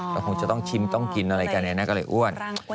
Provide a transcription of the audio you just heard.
ก็คงจะต้องชิมต้องกินอะไรกันก็เลยอ้วน